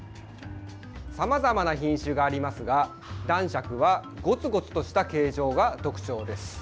さまざまな品種がありますが男爵はゴツゴツとした形状が特徴です。